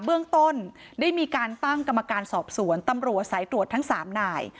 เบื้องต้นได้มีการตั้งกรรมการสอบสวนตำรวจสายตรวจทั้ง๓นาย